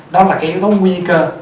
đó là cái yếu tố nguy cơ